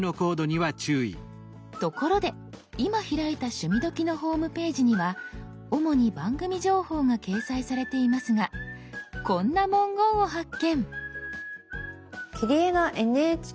ところで今開いた「趣味どきっ！」のホームページには主に番組情報が掲載されていますがこんな文言を発見！